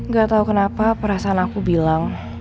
gak tau kenapa perasaan aku bilang